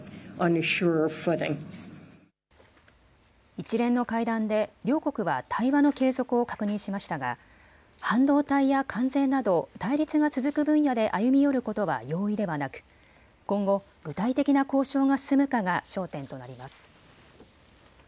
一連の会談で両国は対話の継続を確認しましたが半導体や関税など対立が続く分野で歩み寄ることは容易ではなく今後、具体的な交渉が進むかが焦点となります。